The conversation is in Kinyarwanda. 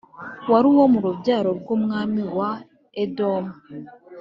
wari uwo mu rubyaro rw’umwami wa Edomu